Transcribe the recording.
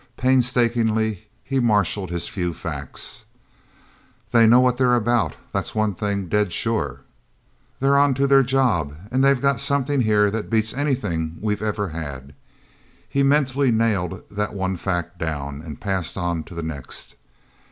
Painstakingly he marshaled his few facts. "They know what they're about, that's one thing dead sure. They're onto their job, and they've got something here that beats anything we've ever had." He mentally nailed that one fact down and passed on to the next.